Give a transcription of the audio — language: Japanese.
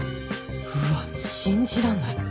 うわ信じらんない。